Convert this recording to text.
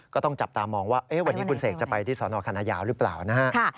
ก็ต้องจับตามองว่าวันนี้คุณเสกจะไปที่สนคณะยาวหรือเปล่านะฮะ